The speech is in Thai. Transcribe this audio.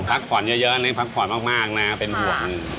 พักผ่อนเยอะนี่พักผ่อนมากนะเป็นห่วง